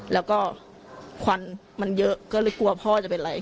แล้วก็ควันมันเยอะก็เลยกลัวพ่อจะเป็นอะไร